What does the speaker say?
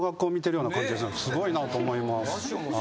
すごいなと思います。